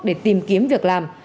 để tìm kiếm việc làm